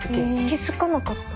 気付かなかった。